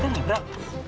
tunggu pak lihat dulu pak